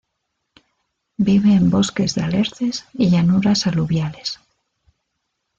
Vive en bosques de alerces y llanuras aluviales.